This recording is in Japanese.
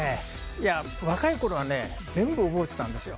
若いころは全部覚えてたんですよ。